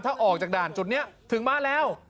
ถ้าออกจากด่านจุดนี้ถึงมาแล้ว